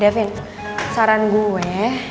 devin saran gue